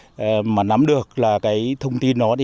thì xã mới nắm được là anh này có đăng tải là có cái dự án ở đây